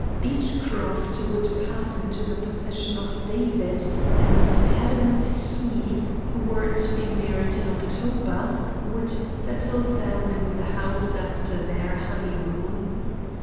Beechroft would pass into the possession of David, and Helen and he, who were to be married in October, would settle down in the house after their honeymoon.